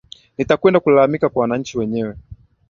nitakwenda kulalamika kwa wananchi wenyewe